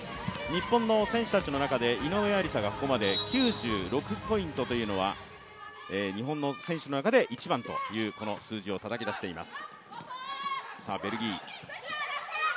日本の選手たちの中で井上愛里沙がここまで９６ポイントというのは日本の選手の中で一番という数字をたたき出しています。